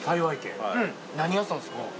何屋さんですか？